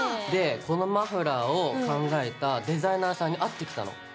でこのマフラーを考えたデザイナーさんに会ってきたの。